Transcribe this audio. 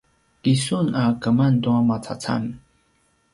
ki sun a keman tua macacam?